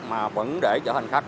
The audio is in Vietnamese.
mà vẫn để chở hành khách